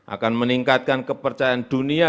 akan meningkatkan kepercayaan dunia